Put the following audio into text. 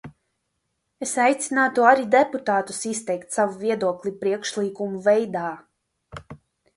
Es aicinātu arī deputātus izteikt savu viedokli priekšlikumu veidā.